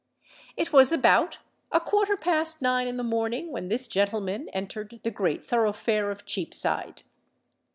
It was about a quarter past nine in the morning when this gentleman entered the great thoroughfare of Cheapside.